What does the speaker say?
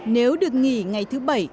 nếu được nghỉ ngày thứ bảy